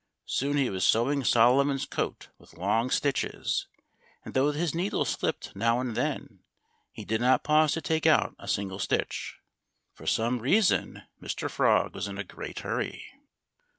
Soon he was sewing Solomon's coat with long stitches; and though his needle slipped now and then, he did not pause to take out a single stitch. For some reason, Mr. Frog was in a great hurry.